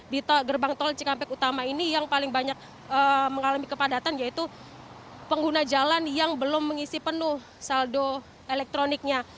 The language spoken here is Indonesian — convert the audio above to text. di gerbang tol cikampek utama ini yang paling banyak mengalami kepadatan yaitu pengguna jalan yang belum mengisi penuh saldo elektroniknya